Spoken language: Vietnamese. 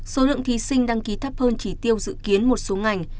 số lượng thí sinh đăng ký thấp hơn chỉ tiêu dự kiến một số ngành